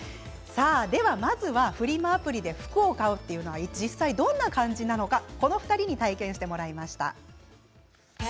まずはフリマアプリで服を買うというのは実際にどんな感じなのかこの２人に体験してもらいました。